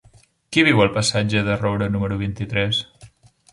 Qui viu al passatge de Roura número vint-i-tres?